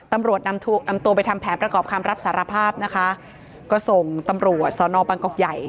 ตำรวจนำตัวไปทำแผนประกอบคำรับสารภาพนะคะก็ส่งตำรวจสอนอบางกอกใหญ่